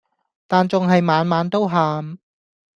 但仲係晚晚都喊